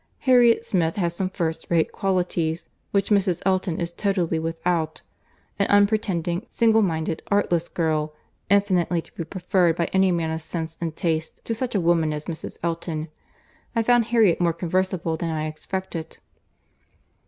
—Harriet Smith has some first rate qualities, which Mrs. Elton is totally without. An unpretending, single minded, artless girl—infinitely to be preferred by any man of sense and taste to such a woman as Mrs. Elton. I found Harriet more conversable than I expected."